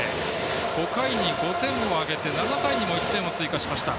５回に５点を挙げて、７回にも１点を追加しました。